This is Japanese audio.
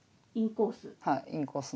インコース？